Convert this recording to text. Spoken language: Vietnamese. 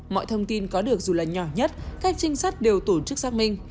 mọi thông tin có được dù là nhỏ nhất các trinh sát đều tổ chức xác minh